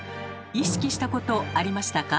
意識したことありましたか？